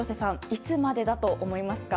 いつまでだと思いますか？